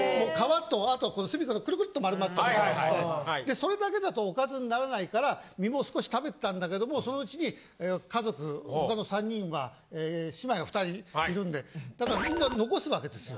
それだけだとおかずにならないから身も少し食べてたんだけどもそのうちに家族他の３人はえ姉妹が２人いるんでだからみんな残すわけですよ。